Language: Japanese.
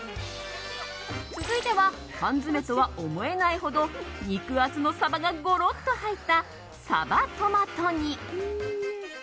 続いては缶詰とは思えないほど肉厚のサバがゴロッと入ったさばトマト煮。